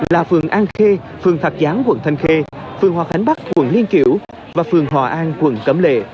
là phường an khê phường thạc gián quận thanh khê phường hòa khánh bắc quận liên kiểu và phường hòa an quận cẩm lệ